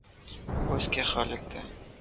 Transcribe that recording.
وہ اس کے خالق تھے۔